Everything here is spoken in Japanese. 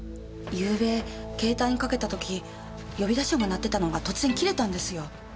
昨夜携帯にかけた時呼び出し音が鳴ってたのが突然切れたんですよ。